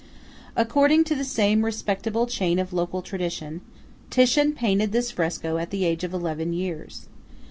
According to the same respectable chain of local tradition, Titian painted this fresco at the age of eleven years.